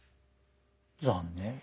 残念。